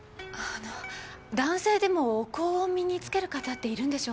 あの男性でもお香を身に付ける方っているんでしょうか。